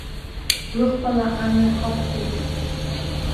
Дәыӷбала амҩа ҳақәлеит.